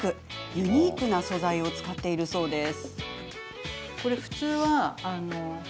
ユニークな素材を使っているそうです。